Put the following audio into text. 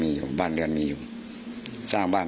มีเรื่องอะไรมาคุยกันรับได้ทุกอย่าง